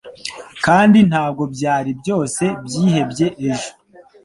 Kandi ntabwo byari byose byihebye ejo,